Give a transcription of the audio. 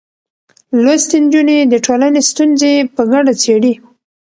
لوستې نجونې د ټولنې ستونزې په ګډه څېړي.